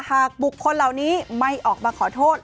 หากบุคคลเหล่านี้ไม่ออกมาขอโทษ